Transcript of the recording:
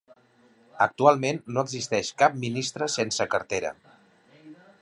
Actualment no existeix cap ministre sense cartera.